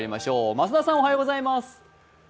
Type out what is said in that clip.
増田さん、おはようございます。